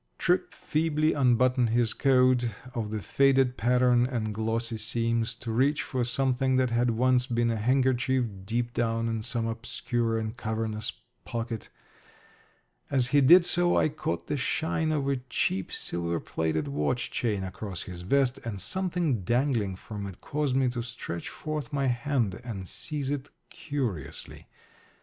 Tripp feebly unbuttoned his coat of the faded pattern and glossy seams to reach for something that had once been a handkerchief deep down in some obscure and cavernous pocket. As he did so I caught the shine of a cheap silver plated watch chain across his vest, and something dangling from it caused me to stretch forth my hand and seize it curiously.